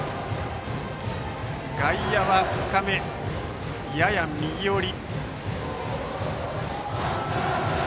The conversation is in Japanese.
外野は深め、やや右寄り。